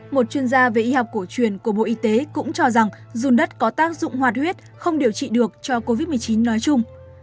một chuyên gia về y học cổ truyền của bộ y tế cũng cho rằng dùn đất có tác dụng hoạt huyết không điều trị được cho covid một mươi chín nói chung